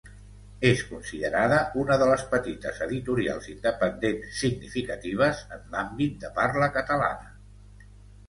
És considerada una de les petites editorials independents significatives en l'àmbit de parla catalana.